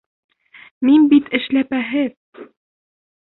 Мин бит эшләпәһеҙ!..